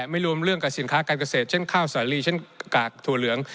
ไม่รวมเรื่องกับสินค้าการเกษตรเช่นข้าวสาลีเช่นกากถั่วเหลือง